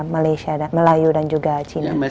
malaysia melayu dan juga china